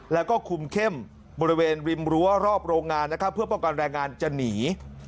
แล้วก็คุมเข้มบริเวณริมรั้วรอบโรงงานนะครับเพื่อป้องกันแรงงานจะหนี